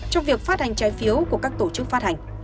trong việc phát hành trái phiếu của các tổ chức phát hành